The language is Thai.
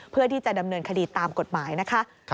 เพื่อที่จะดำเนินคดีตามกฎหมายนะคะ